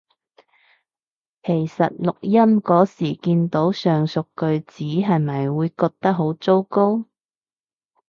其實錄音嗰時見到上述句子係咪會覺得好糟糕？